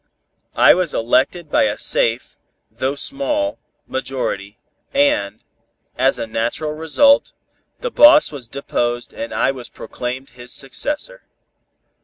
I was elected by a safe, though small, majority, and, as a natural result, the boss was deposed and I was proclaimed his successor.